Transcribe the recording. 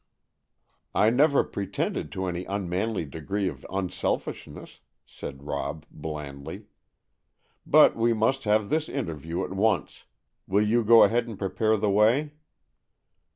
"I never pretended to any unmanly degree of unselfishness," said Rob blandly. "But we must have this interview at once. Will you go ahead and prepare the way?"